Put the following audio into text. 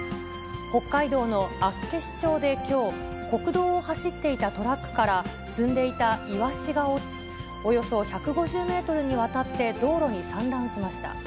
北海道の厚岸町できょう、国道を走っていたトラックから積んでいたイワシが落ち、およそ１５０メートルにわたって道路に散乱しました。